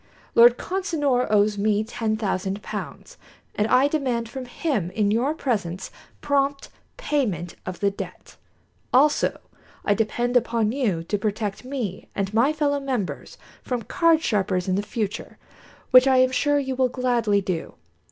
Lord Consinor owes me ten thousand pounds, and I demand from him in your presence prompt payment of the debt. Also, I depend upon you to protect me and my fellow members from card sharpers in the future, which I am sure you will gladly do.